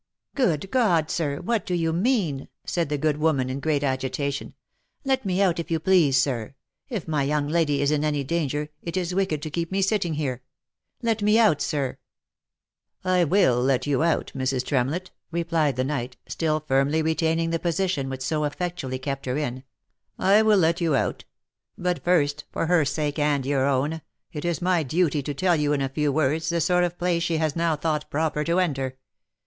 " Good God, sir! what do you mean?" said the good woman, in great agitation. " Let me out if you please, sir. If my young lady is in any danger, it is wicked to keep me sitting here. Let me out, sir !"" I will let you out, Mrs. Tremlett," replied the knight, still firmly retaining the position which so effectually kept her in, " I will let you out; but first, for her sake and your own, it is my duty to tell you in a few words the sort of place she has now thought proper to enter.